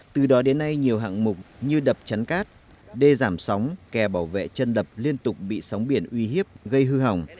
từ đó đến nay nhiều hạng mục như đập chắn cát đê giảm sóng kè bảo vệ chân đập liên tục bị sóng biển uy hiếp gây hư hỏng